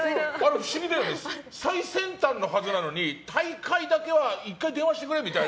最先端のはずなのに退会だけは１回電話してくれみたいな。